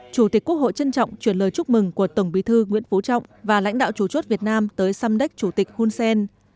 chủ tịch quốc hội trân trọng truyền lời chúc mừng của tổng bí thư nguyễn phú trọng và lãnh đạo chủ chốt việt nam tới samdek chủ tịch hunsen